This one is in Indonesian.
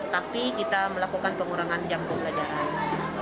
tapi kita melakukan pengurangan jam pembelajaran